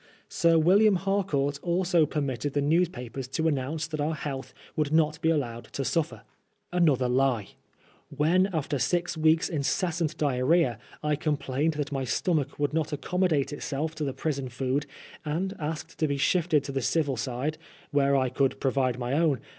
Sir William Harcourt also permitted the news* papers to announce that our health would not be allowed to suffer. Another lie I When, after six weeks* incessant diarrhoea, I complained that my stomach would not accommodate itself to the prison food, and asked to be shifted to the civil side, where I could pro vide my own.